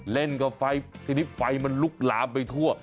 เล่นกับไฟทีนี้ไฟมันลุกลามไปทั่ว